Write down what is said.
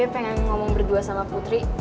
ya gue pengen ngomong berdua sama putri